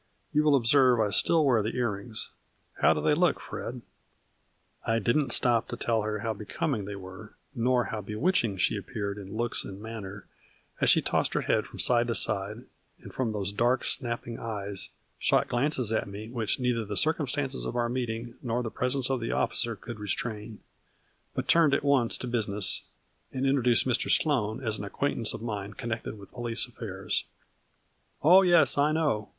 You will observe I still wear the earrings. How do they look, Fred ?" I didn't stop to tell her how becoming they were, nor how bewitching she appeared in looks and manner, as she tossed her head from side to side, and from those dark snapping eyes shot glances at me which neither the circumstances of our meeting, nor the pres ence of the officer could restrain ; but turned at once to business, and introduced Mr. Sloan as an acquaintance of mine connected with police affairs. " Oh, yes, I know.